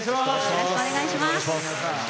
よろしくお願いします。